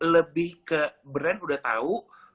lebih ke brand udah tau